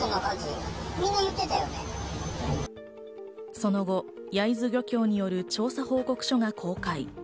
その後、焼津漁協による調査報告書が公開。